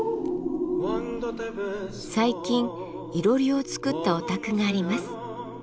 最近いろりを作ったお宅があります。